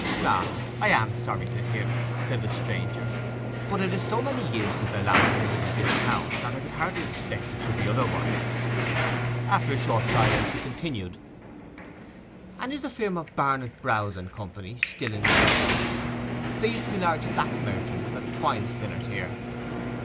'Ah, I am sorry to hear it,' said the stranger. 'But it is so many years since I last visited this town that I could hardly expect it should be otherwise.' After a short silence he continued—'And is the firm of Barnet, Browse, and Company still in existence?_—_they used to be large flax merchants and twine spinners here?